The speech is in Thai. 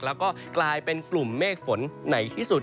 แล้วก็กลายเป็นกลุ่มเมฆฝนไหนที่สุด